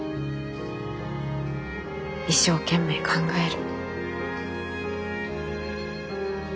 一生懸命考える。